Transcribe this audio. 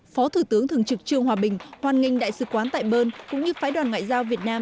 phó thủ tướng thường trực trương hòa bình hoàn nghênh đại sứ quán tại bern cũng như phái đoàn ngoại giao việt nam